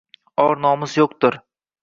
Or-nomus yoʻqdir